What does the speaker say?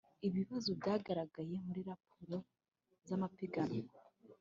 Ibibazo byagaragaye muri raporo z amapiganwa